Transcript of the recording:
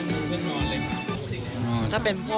มันก็จะมีข้าวโหม๒ถูกนะคะ